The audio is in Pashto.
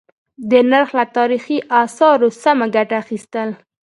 د نرخ له تاريخي آثارو سمه گټه اخيستل: